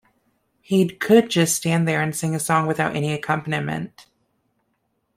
He'd could just stand there and sing a song without any accompaniment.